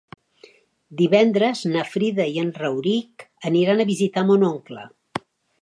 Divendres na Frida i en Rauric aniran a visitar mon oncle.